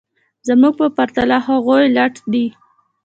زموږ په پرتله هغوی لټ دي